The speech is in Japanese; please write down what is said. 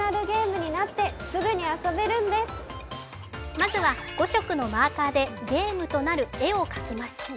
まずは５色のマーカーでゲームとなる絵を描きます。